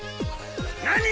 何！？